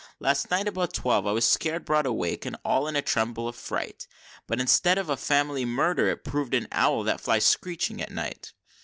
Last night about twelve I was scared broad awake, and all in a tremble of fright, But instead of a family murder it proved an owl that flies screeching at night.